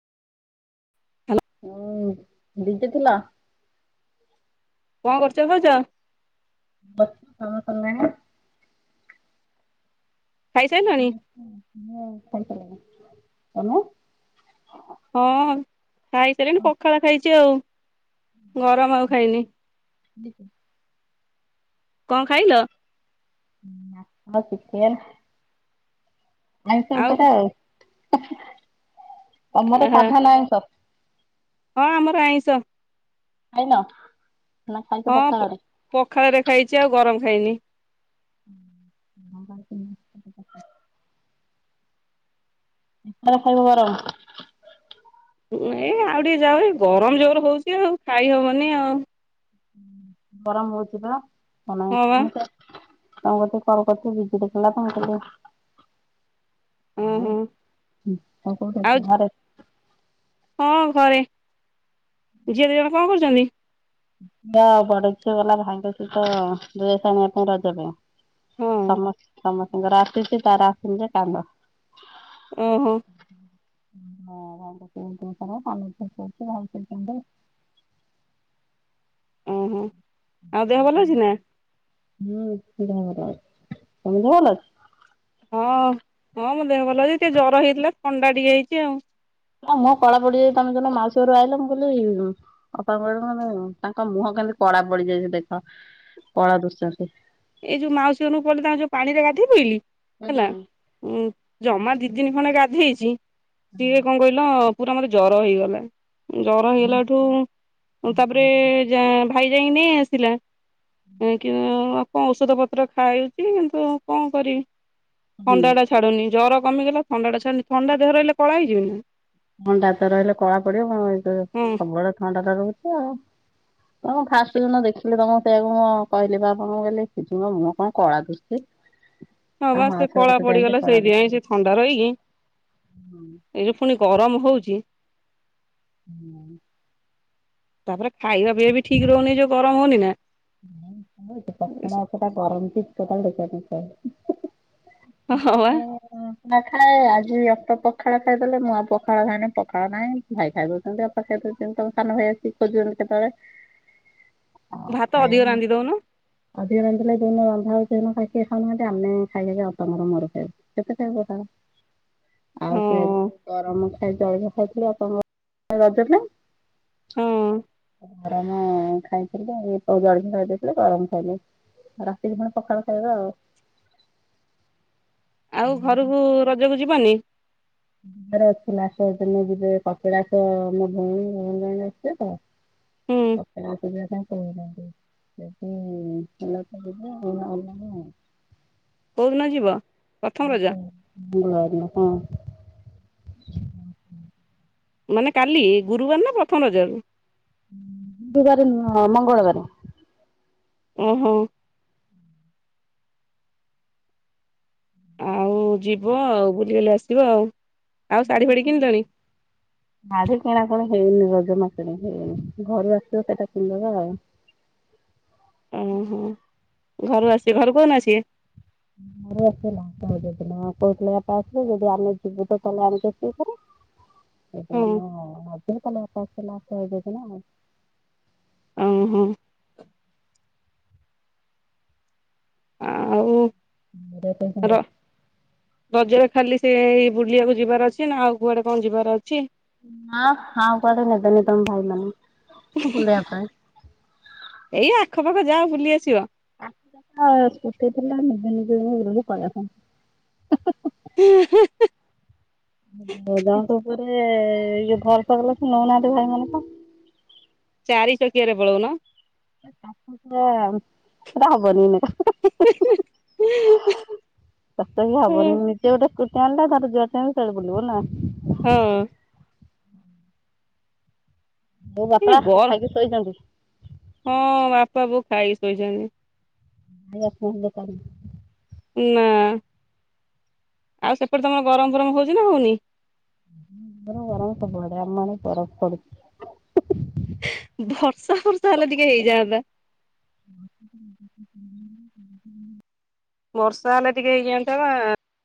Hello. ହୁଁ busy ଥିଲ? କଣ କରୁଚ ଭାଉଜ? [unintelligible] ଖାଇସାରିଲଣି? ମୁଁ ଖାଇସାରିଲିଣି ତମେ? ହଁ ଖାଇସାରିଲିଣି ପଖାଳ ଖାଇଚି ଆଉ। ଗରମ ଆଉ ଖାଇନି କଣ ଖାଇଲ? ମାଛ ଚିକେନ୍ ଆଇଁଷ ଉପରେ ଆଉ ତମର ଆହା, ସାଧା ନା ଆଇଁଷ? ହଁ ଆମର ଆଇଁଷ। ଖାଇନ? ନା ଖାଇଛ ହଁ ପ ପଖାଳରେ? ପଖାଳରେ ଖାଇଚି ଆଉ ଗରମ ଖାଇନି। [unintelligible] କେତେବେଳେ ଖାଇବ ଗରମ? ଏଇ ଆଉ ଟିକେ ଯାଉ ଏ ଗରମ ଜୋର ହଉଚି ଆଉ ଖାଇ ହବନି ଆଉ। ଗରମ ହଉଛି ବା ମାନେ ହଁ ବା ମୁଁ ତ ତମ କତିକି କଲ କରିଥିଲି ବିଜି ଦେଖଇଲା କଣ କରୁଥିଲ? ହଁ ମୁଁ ହଁ ଆଉ କୋଉଠି ଆଉ ଅଛି ଘରେ। ହଁ ଘରେ ଝିଅ ଦୁଇ ଜଣ କଣ କରୁଛନ୍ତି? ଝିଅ ବଡ ଝିଅ ଗଲା ଭାଇଙ୍କ ସହିତ ଡ୍ରେସ ଆଣିବା ପାଇଁ ରଜ ପାଇଁ। ହଁ ସମସ୍ତ ସମସ୍ତଙ୍କର ଆସିଛି ତାର ଆସିନି ଯେ କାନ୍ଦ। ଉଁ ହୁଁ। [unintelligible] ଉଁ ହୁଁ ଆଉ ଦେହ ଭଲ ଅଉଛି ନା? ହୁଁ ଦେହ ଭଲ ଅଛି, ତମ ଦେହ ଭଲ ଅଛି? ହଁ ହଁ ମୋ ଦେହ ଭଲ ଅଛି ଟିକେ ଜର ହେଇଥିଲା ଥଣ୍ଡା ଟିକେ ହେଇଛି ଆଉ। ତମ ମୁହଁ କଳା ପଡିଯାଇ ତମେ ଯେତେବେଳେ ମାଉସୀ ଘରୁ ଆଇଲ ମୁଁ କହିଲି ଇଲୋ ଅପା କହିଲେ ମାନେ ତାଙ୍କ ମୁହଁ କେମିତି କଳା ପଡିଯାଇଚି ଦେଖ, କଳା ଦୁଶୁଚନ୍ତି। ଏଇ ଯୋଉ ମାଉସୀ ଘରକୁ ପଳେଇଲି ତାଙ୍କ ଯୋଉ ପାଣି ରେ ଗାଧେଇ ପଇଲି ହେଲା ଉଁ ଜମା ଦି ଦିନ ଖଣ୍ଡେ ଗାଧେଇଛି ଟିକେ କଣ କହିଲ ପୁରା ମତେ ଜର ହେଇଗଲା ଜର ହେଇଗଲା ଏଠୁ ତାପରେ ଯା ଭାଇ ଯାଇଁ ନେଇ ଆସିଲା କି ଓ କଣ ଔଷଧ ପତ୍ର ଖାଇଚି କିନ୍ତୁ କଣ କରିବି ଥଣ୍ଡାଟା ଛାଡୁନି ଜର କମିଗଲା ଥଣ୍ଡାଟା ଛାଡୁନି ଥଣ୍ଡା ଦେହରେ ରହିଲେ କଳା ହେଇଯିବି ନା। ଥଣ୍ଡା ତ ରହିଲେ କଳା ପଡିବ ଏ ତ ହଁ ସବୁବେଳେ ଥଣ୍ଡା ଟା ରହୁଛି ଆଉ। ତଁ ଫାଷ୍ଟ ଯୋଉଦିନ ଦେଖିଲି ତମ ସେଇଆକୁ ମୁଁ କହିଲି ବା ଆପଣଙ୍କୁ କହିଲି ଦିଦିଙ୍କ ମୁହଁ କଣ କଳା ଦଶୁଛି। ହଁ ବା ସେ କଳା ପଡିଗଲା କଳା ସେଇଥିପାଇଁ ସେ ଥଣ୍ଡା ରହିକି ଦୁଶୁଛନ୍ତି। ଏଇ ଯୋଉ ପୁଣି ଗରମ ହଉଛି ହୁଁ ତାପରେ ଖାଇବା ପିଇବା ବି ଠିକ ରହୁନି ଯୋଉ ଗରମ ହଉନି ନା। [unintelligible] ନ ଖାଇଲେ କଣ ହଁ ବା ନା ଖାଏ ଆଜି ଅଲ୍ପ ପଖାଳ ଖାଇଦେଲେ ମୁଁ ଆଉ ପଖାଳ ଖାଇନି ପଖାଳ ନାହିଁ ଭାଇ ଖାଇଦେଉଚନ୍ତି ଆଉ। [unintelligible] ତମ ସାନ ଭଇ ଆସିିକି ଖୋଜୁଛନ୍ତି କେତେବେଳେ। [inaudible] ଅଧିକ ଆଜ୍ଞା। ରାନ୍ଧି ଦଉନୁ। ଅଧିକ ରାନ୍ଧିଲେ ଯଉଦିନ ରନ୍ଧା ହଉନି ଖାଇକି ଖାଉନାହାନ୍ତି ଆମେ ଖାଇ ଖାଇକା ଅପାଙ୍କର ମୋର ଖାଉ। କେତେ ଟାଇମ ପଖାଳ? ଆଉ ହଁ। ସେ ଯୋ ଗରମ ଖାଇ ଜଳିଖିଆ ଖାଇଥିଲୁ ଅପାଙ୍କର ମୋର ରଜରେ। ହଁ ଗରମ ଖାଇଥିଲେ ହଉ ଜଳିଖିଆ ଖାଇଦେଇଥିଲେ ଗରମ ଖାଇବେ ଆଉ ରାତିରେ ପୁଣି ପଖାଳ ଖାଇବା ଆଉ। ଆଉ ଘରକୁ ରଜକୁ ଯିବନି? [unintelligible] ହୁଁ କପିଳାସ ଯିବାପାଇଁ କହୁଛନ୍ତି। ଯଦିହେଲା କହିବି ନହେଲେ ନାଇଁ ଆଉ। କୋଉଦିନ ଯିବ? ପ୍ରଥମ ରଜ ଗୁରୁବାର ଦିନ, ହଁ। ମାନେ କାଲି, ଗୁରୁବାର ନା ପ୍ରଥମ ରଜକୁ? ଗୁରୁବାରେ ନୁହଁ ମଙ୍ଗଳବାରେ। ଉଁହୁଁ। ଆଉ ଯିବ ଆଉ ବୁଲିବାଲି ଆସିବ ଆଉ। ଆଉ ଶାଢୀ ଫାଢୀ କିଣିଲଣି? ଶାଢ଼ି କିଣାକଣି ହେଇନି, ରଜ ମାର୍କେଟିଙ୍ଗ ହେଇନି। ଘରୁ ଆସିଲେ ଶାଢ଼ୀଟା କିଣିଦବା ଆଉ। ଉଁହୁଁ। ଘରୁ ଆସିବେ, ଘରୁ କୋଉଦିନ ଆସିବେ? [unintelligible] [inaudible] [unintelligible] ଊଂହୁଁ। ଆଉ ର [unintelligible] ରଜରେ ଖାଲି ସେ ଏଇ ବୁଲିବାକୁ ଯିବାର ଅଛି ନା ଆଉ କୁଆଡେ କଣ ଯିବାର ଅଛି? ନା ଆଉ କୁଆଡେ ନେବେନି ତମ ଭାଇ ମାନେ ବୁଲେଇବା ପାଇଁ। ଏଇ ଆଖପାଖ ଯାଅ ବୁଲି ଆସିବ। ଆଖ ପାଖ, ସ୍କୁଟି ଥିଲେ ଆମେ ନିଜେ ନିଜେ ବୁଲିକି ପଳେଇ ଆଇଥାନ୍ତୁ। ହେଁ ହେଁ ହେଁ। ବ୍ୟାଙ୍କ ଉପରେ ଏ ଯୋଉ ଭରସା କଲାଠୁ ନେଉନାହାନ୍ତି ଭାଇ ମାନଙ୍କୁ। ଚାରି ଚକିଆରେ ପଳଉନ। ଏ ଶାଶୁ ଶଶୁର, ହେଇଟା ହବନୁ ଏଇନାକେ। [unintelligible] ହବନି ହଁ ନିଜେ ଗୋଟେ କୁ ଫୋନଟା କାଟିଦିଅ। [unintelligible] ହୁଁ। ବୋଉ, ବାପା ଯୋଉ ଗରମ ଖାଇକି ଶୋଇଛନ୍ତି। ହଁ ବାପା, ବୋଉ ଖାଇକି ଶୋଇଛନ୍ତି। ଭାଇ ଏପର୍ଯ୍ୟନ୍ତ କରିନି। ନା। ଆଉ ସେପଟେ ତମର ଗରମ ଫରମ ହଉଛି ନା ହଉନି? ପ୍ରବଳ ଗରମ ସବୁଆଡେ। ଆମ ଆଡେ ବରଫ ପଡୁଛି। ବର୍ଷା ଫର୍ଷା ହେଲେ ଟିକେ ହେଇଯାଆନ୍ତା। [inaudible] ବର୍ଷା ହେଲେ ଟିକେ ହେଇଯାଆନ୍ତା ବା